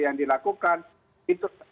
yang dilakukan itu